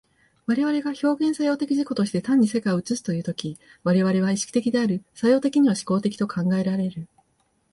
我々が表現作用的自己として単に世界を映すという時、我々は意識的である、作用的には志向的と考えられる。